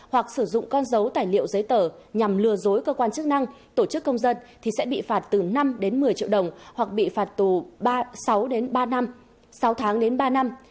hoặc sử dụng con dấu tài liệu giấy tờ nhằm lừa dối cơ quan chức năng tổ chức công dân thì sẽ bị phạt từ năm đến một mươi triệu đồng hoặc bị phạt tù sáu đến ba năm sáu tháng đến ba năm